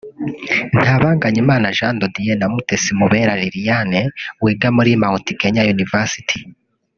Ntabanganyimana Jean de Dieu na Mutesi Mubera Liliane wiga muri Mount Kenya University